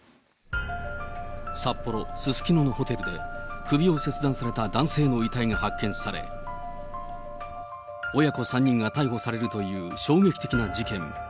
札幌・すすきののホテルで首を切断された男性の遺体が発見され、親子３人が逮捕されるという衝撃的な事件。